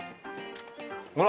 ほら！